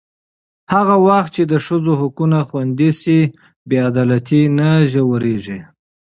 هغه وخت چې د ښځو حقونه خوندي شي، بې عدالتي نه ژورېږي.